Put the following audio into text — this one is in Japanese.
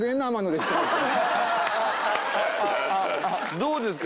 どうですか？